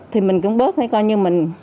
thì mình cũng bớt coi như mình